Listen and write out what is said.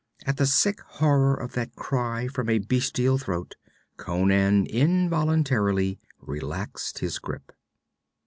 At the sick horror of that cry from a bestial throat, Conan involuntarily relaxed his grip.